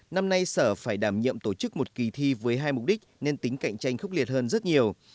năm nay sở phải đảm nhiệm tổ chức một kỳ thi với hai mục đích nên tính cạnh tranh khốc liệt hơn rất nhiều